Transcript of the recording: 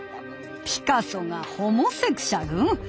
ピカソがホモセクシャル？